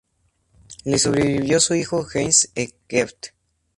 Le sobrevivió su hijo Heinz Eckert.